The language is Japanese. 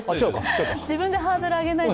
自分でハードル上げないで。